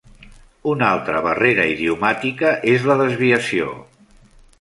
Una altra barrera idiomàtica és la desviació.